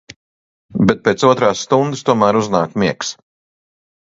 Bet pēc otrās stundas tomēr uznāk miegs.